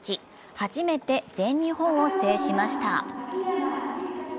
初めて全日本を制しました。